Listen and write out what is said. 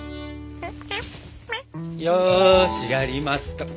よしやりますか。